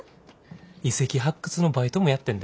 遺跡発掘のバイトもやってんで。